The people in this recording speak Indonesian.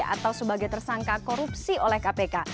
atau sebagai tersangka korupsi oleh kpk